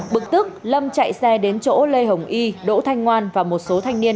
bực tức lâm chạy xe đến chỗ lê hồng y đỗ thanh ngoan và một số thanh niên